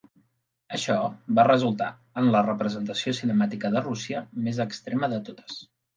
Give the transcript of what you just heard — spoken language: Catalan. Això va resultar en "la representació cinemàtica de Rússia més extrema de totes".